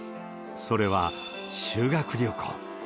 それは修学旅行。